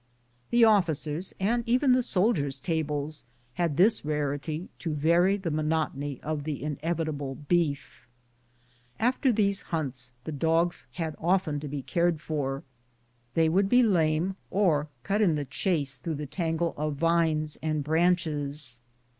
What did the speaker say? The officers', and even the soldiers', tables had this rari ty to vary the monotony of the inevitable beef. 110 BOOTS AND SADDLES. After these hunts the dogs had often to be cared for. They would be lame, or cut in ^the chase, through the tangle of vines and branches.